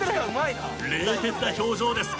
冷徹な表情です